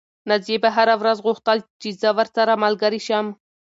نازيې به هره ورځ غوښتل چې زه ورسره ملګرې شم.